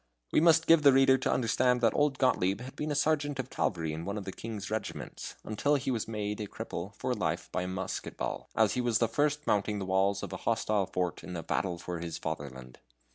We must give the reader to understand that old Gottlieb had been a sergeant of cavalry in one of the king's regiments, until he was made a cripple for life by a musket ball, as he was the first mounting the walls of a hostile fort in a battle for his fatherland.